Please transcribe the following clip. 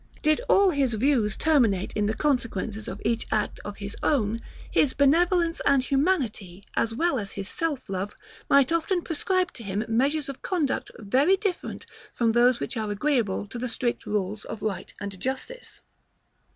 Did all his views terminate in the consequences of each act of his own, his benevolence and humanity, as well as his self love, might often prescribe to him measures of conduct very different from those which are agreeable to the strict rules of right and justice.